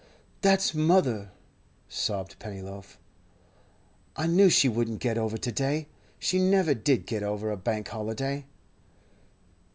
'That's mother,' sobbed Pennyloaf. 'I knew she wouldn't get over to day. She never did get over a Bank holiday.